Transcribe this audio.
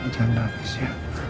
jangan nafis ya